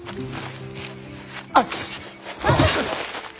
あっ！